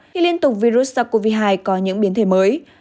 khi liên tục virus sắc covid hai có những biến thể mới